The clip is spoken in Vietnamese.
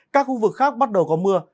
các khu vực khác bắt đầu có mưa